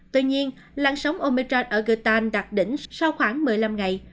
tuy nhiên làn sống omicron ở gitan đạt đỉnh sau khoảng một mươi năm ngày